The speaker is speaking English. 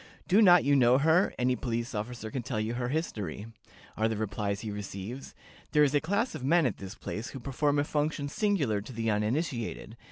'Do not you know her? Any police officer can tell you her history,' are the replies he receives. There is a class of men at this place who perform a function singular to the uninitiated.